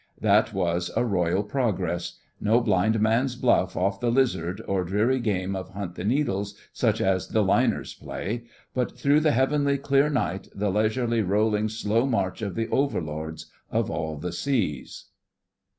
That was a Royal progress. No blind man's bluff off the Lizard or dreary game of hunt the Needles such as the liners play, but through the heavenly clear night the leisurely, rolling slow march of the overlords of all the seas.